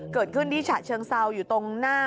เกิดขึ้นที่ฉะเชิงเซาอยู่ตรงหน้า